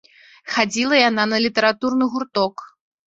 Хадзіла яна на літаратурны гурток.